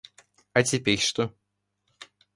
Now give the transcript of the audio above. А теперь что?